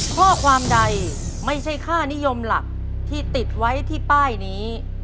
ข้อความใดไม่ใช่ค่านิยมหลักที่ติดไว้ที่ป้ายนี้